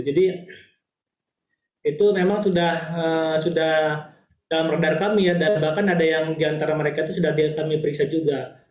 itu memang sudah dalam radar kami ya dan bahkan ada yang diantara mereka itu sudah kami periksa juga